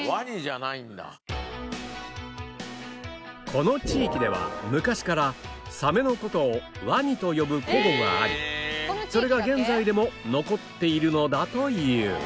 この地域では昔からサメの事をワニと呼ぶ古語がありそれが現在でも残っているのだという